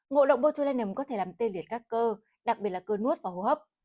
ngộ độc botulinum có thể làm tê liệt các cơ đặc biệt là cơ nuốt và hô hấp